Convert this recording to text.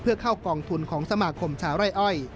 เพื่อเข้ากองทุนของสมาคมชาวไร่อ้อย